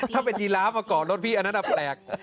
ถ้าเป็นยีลาฟมาก่อนรถพี่อันนั้นแปลก